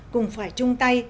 cùng phải chung tay